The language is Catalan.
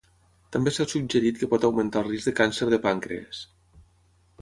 També s'ha suggerit que pot augmentar el risc de càncer de pàncrees.